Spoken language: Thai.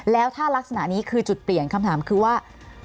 แล้วถ้ารักษณะนี้คือจุดเปลี่ยนคำถามคือว่า